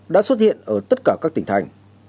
đã xuất hiện ở tất cả các tỉnh thành